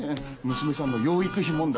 娘さんの養育費問題